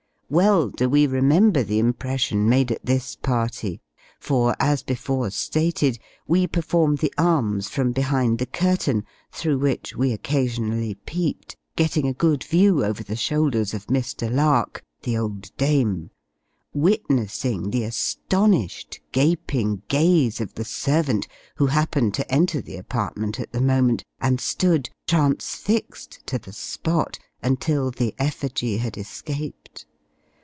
Well do we remember the impression made at this party; for, as before stated, we performed the arms from behind the curtain, through which we occasionally peeped, getting a good view over the shoulders of Mr. Lark (the old dame), witnessing the astonished gaping gaze of the servant, who happened to enter the apartment at the moment, and stood transfixed to the spot, until the effigy had escaped.